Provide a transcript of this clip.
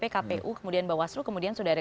kpu kemudian bawaslu kemudian sudah ada